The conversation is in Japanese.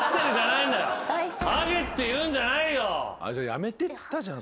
やめてっつったじゃん。